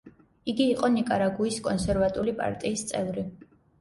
იგი იყო ნიკარაგუის კონსერვატული პარტიის წევრი.